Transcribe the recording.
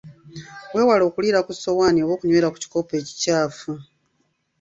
Weewale okuliira ku ssowaani oba okunywera ku kikopo ekikyafu.